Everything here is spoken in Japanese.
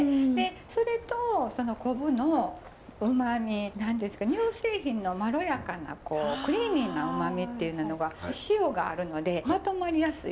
それと昆布のうまみ何ですか乳製品のまろやかなクリーミーなうまみっていうなのが塩があるのでまとまりやすい。